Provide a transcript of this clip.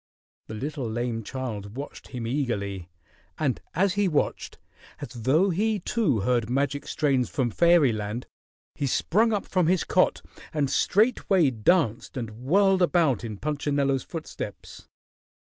The little lame child watched him eagerly, and as he watched, as though he too heard magic strains from fairyland, he sprung up from his cot and straightway danced and whirled about in Punchinello's footsteps.